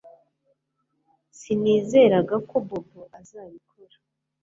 Sinizeraga ko Bobo azabikora